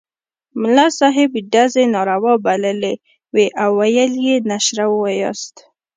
ملا صاحب ډزې ناروا بللې وې او ویل یې نشره ووایاست.